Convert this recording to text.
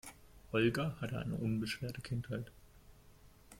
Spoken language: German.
Holger hatte eine unbeschwerte Kindheit.